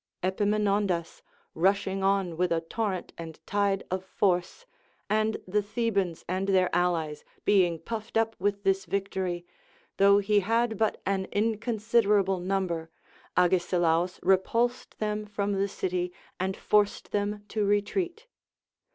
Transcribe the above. Epaminondas rushing on with a torrent and tide of force, and the Thebans and their allies being puffed up with this victory, though he had but an inconsiderable number, Ages ilaus repulsed them from the city and forced them to retreat.